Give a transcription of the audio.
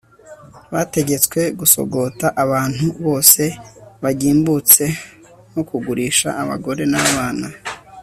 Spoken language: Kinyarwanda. bategetswe gusogota abantu bose bagimbutse no kugurisha abagore n'abana